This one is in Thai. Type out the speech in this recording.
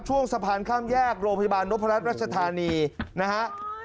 ช่วงสะพานข้ามแยกโรงพยาบาลนพรัชรัชธานีนะฮะ